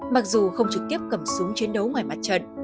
mặc dù không trực tiếp cầm súng chiến đấu ngoài mặt trận